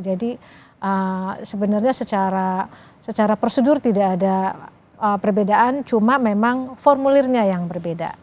jadi sebenarnya secara prosedur tidak ada perbedaan cuma memang formulirnya yang berbeda